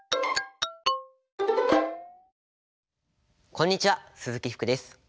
こんにちは鈴木福です。